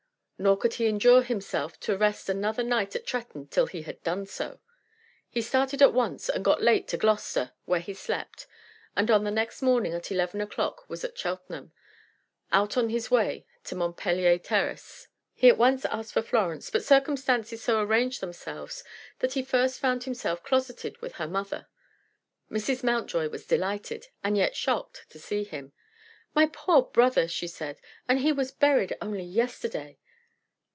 Nor could he endure himself to rest another night at Tretton till he had done so. He started at once, and got late to Gloucester, where he slept, and on the next morning at eleven o'clock was at Cheltenham, out on his way to Montpellier Terrace. He at once asked for Florence, but circumstances so arranged themselves that he first found himself closeted with her mother. Mrs. Mountjoy was delighted, and yet shocked, to see him. "My poor brother!" she said; "and he was buried only yesterday!"